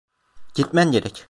Gitmen gerek.